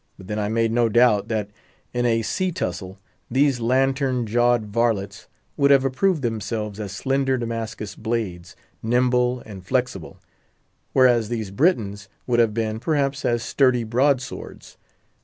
But then I made no doubt, that, in a sea tussle, these lantern jawed varlets would have approved themselves as slender Damascus blades, nimble and flexible; whereas these Britons would have been, perhaps, as sturdy broadswords.